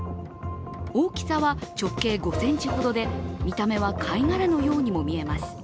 大きさは直径５ｃｍほどで見た目は貝殻のようにも見えます。